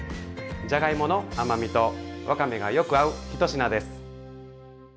じゃがいもの甘みとわかめがよく合う一品です。